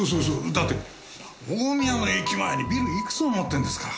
だって大宮の駅前にビルいくつも持ってんですから。